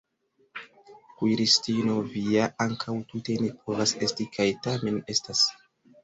Kuiristino vi ja ankaŭ tute ne povas esti kaj tamen estas!